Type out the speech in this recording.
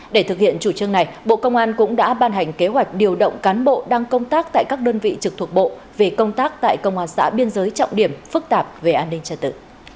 để thực hiện chủ trương này bộ công an cũng đã ban hành kế hoạch điều động cán bộ đang công tác tại các đơn vị trực thuộc bộ về công tác tại công an xã biên giới trọng điểm phức tạp về an ninh trật tự